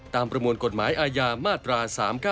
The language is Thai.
ประมวลกฎหมายอาญามาตรา๓๙